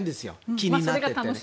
気になってて。